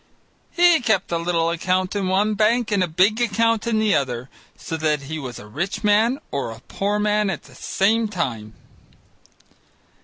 He kept a little account in one bank and a big account in the other, so that he was a rich man or a poor man at the same time.